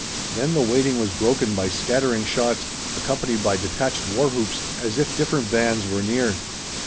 Then the waiting was broken by scattering shots, accompanied by detached war whoops, as if different bands were near.